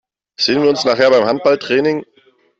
Sehen wir uns nachher beim Handballtraining?